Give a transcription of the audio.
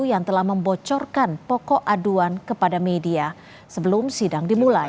yang telah membocorkan pokok aduan kepada media sebelum sidang dimulai